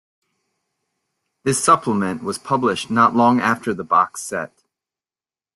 This supplement was published not long after the box set.